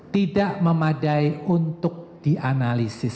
tidak memadai untuk dianalisis